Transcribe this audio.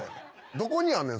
どこにあんねん？